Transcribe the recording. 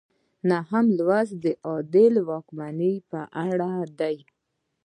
نهم لوست د عادل واکمن په اړه دی.